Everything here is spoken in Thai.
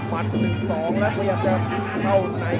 มันหนึ่งสองแล้วพยายามจะเข้า